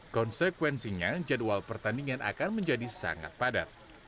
konsekuensinya jadwal pertandingan akan menjadi sangat padat